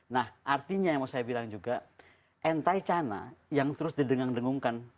nah artinya yang mau saya bilang juga anti china yang terus didengung dengungkan